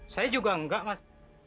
saya juga nggak mas